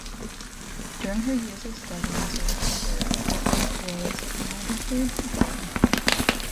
During her years of study in Zurich, her partner was Margarethe Böhm.